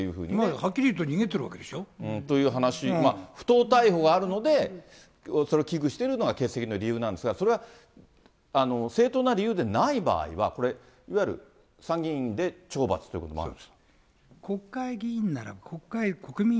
はっきり言うと、逃げてるわけでしょ。という話、不当逮捕があるので、それ危惧してるのが欠席の理由なんですが、それは、正当な理由でない場合は、これいわゆる参議院で懲罰ということもあると。